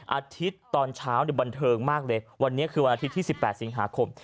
อาทิตย์ตอนเช้าบันเทิงมากเลยวันนี้คือวันอาทิตย์ที่๑๘สิงหาคม